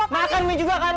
makan mie juga kan lo